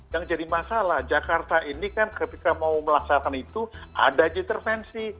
yang jadi masalah jakarta ini kan ketika mau melaksanakan itu ada intervensi